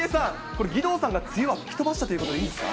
これ、義堂さんが梅雨を吹き飛ばしたということでいいですか。